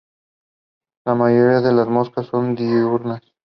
La mayoría de las moscas son diurnas.